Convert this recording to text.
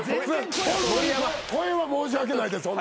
声は申し訳ないです